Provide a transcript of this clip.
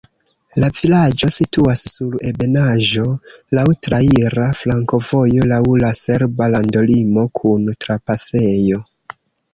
La vilaĝo situas sur ebenaĵo, laŭ traira flankovojo, laŭ la serba landolimo kun trapasejo.